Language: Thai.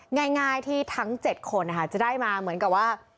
ง่ายที่ทั้ง๗คนจะได้มาเหมือนกับว่า